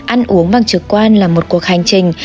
ăn uống bằng trực quan là một cuộc hành trình